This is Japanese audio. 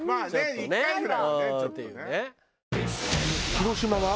広島は？